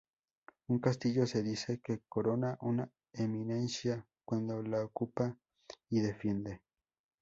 Un castillo se dice que corona una eminencia cuando la ocupa y defiende.